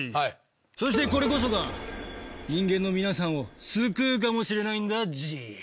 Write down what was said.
そしてこれこそが人間の皆さんを救うかもしれないんだＧ。